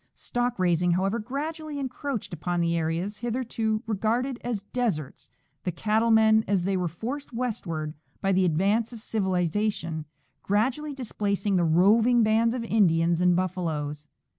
Stock raising, however, gradually encroached upon the areas hitherto regarded as deserts, the cattle men, as they were forced westward by the advance of civilization, gradually displacing the roving bands of Indians and buffaloes.